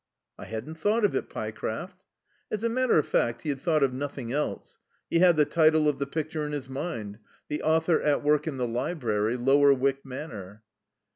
"I hadn't thought of it, Pyecraft." As a matter of fact, he had thought of nothing else. He had the title of the picture in his mind: "The Author at Work in the Library, Lower Wyck Manor."